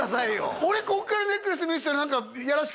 俺こっからネックレス見えてたらいや